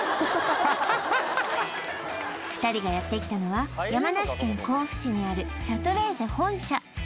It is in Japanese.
２人がやってきたのは山梨県甲府市にあるシャトレーゼ本社